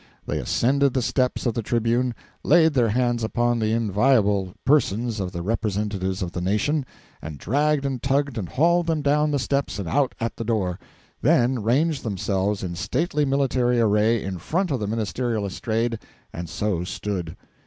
They ascended the steps of the tribune, laid their hands upon the inviolable persons of the representatives of a nation, and dragged and tugged and hauled them down the steps and out at the door; then ranged themselves in stately military array in front of the ministerial estrade, and so stood.